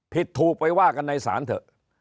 ถูกไปว่ากันในศาลเถอะ